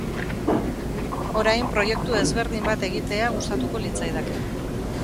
Orain, proiektu ezberdin bat egitea gustatuko litzaidake.